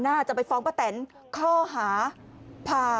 ก็ตอบได้คำเดียวนะครับ